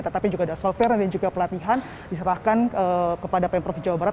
tetapi juga ada software dan juga pelatihan diserahkan kepada pemprov jawa barat